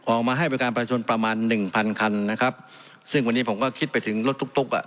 ออกมาให้บริการประชาชนประมาณหนึ่งพันคันนะครับซึ่งวันนี้ผมก็คิดไปถึงรถตุ๊กตุ๊กอ่ะ